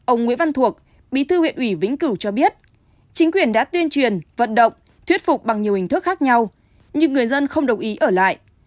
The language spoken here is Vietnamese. ông nguyễn văn thuộc bí thư huyện ủy vĩnh cửu cho biết chính quyền đã tuyên truyền vận động thuyết phục bằng nhiều hình thức khác nhau nhưng người dân không đồng ý ở lại